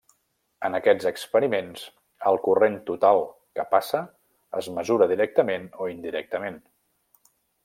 En aquests experiments, el corrent total que passa es mesura directament o indirectament.